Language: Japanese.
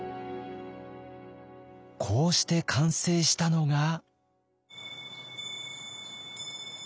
こうして完成したのが。